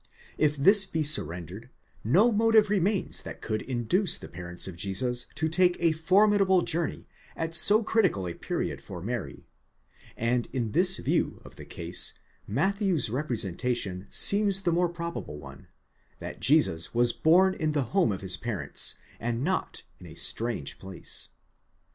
If this be 'surrendered, no motive remains that could induce the parents of Jesus to take a formidable journey at so critical a period for Mary, and in this view of the case Matthew's representation seems the more probable one, that Jesus was born in the home of his parents and not in a strange place.